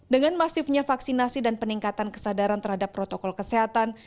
dengan masifnya vaksinasi dan peningkatan kesadaran terhadap protokol kesehatan